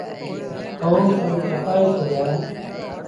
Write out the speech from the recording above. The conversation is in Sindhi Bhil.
هئو سڀ کپآئي ڇڏيآ۔